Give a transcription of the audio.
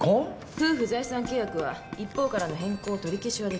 夫婦財産契約は一方からの変更取り消しはできない。